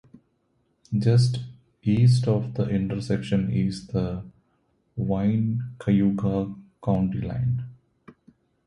Just east of the intersection is the Wayne-Cayuga county line.